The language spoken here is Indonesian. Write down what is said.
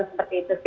seperti itu sih